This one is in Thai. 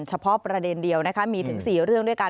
เฉพาะประเด็นเดียวนะคะมีถึง๔เรื่องด้วยกัน